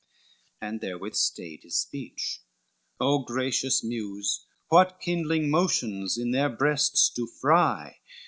XXXII And therewith stayed his speech. O gracious Muse, What kindling motions in their breasts do fry?